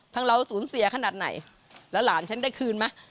เราสูญเสียขนาดไหนแล้วหลานฉันได้คืนไหม